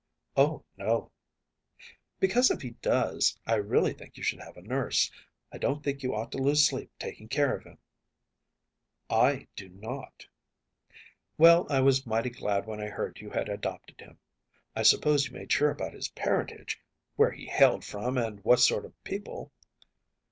‚ÄĚ “Oh no.‚ÄĚ “Because if he does, I really think you should have a nurse. I don’t think you ought to lose sleep taking care of him.‚ÄĚ “I do not.‚ÄĚ “Well, I was mighty glad when I heard you had adopted him. I suppose you made sure about his parentage, where he hailed from and what sort of people?